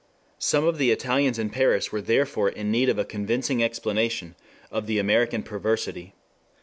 Some of the Italians in Paris were therefore in need of a convincing explanation of the American perversity.